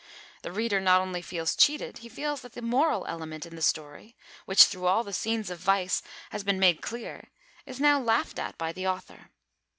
The reader not only feels cheated; he feels that the moral element in the story, which through all the scenes of vice has been made clear, is now laughed at by the author.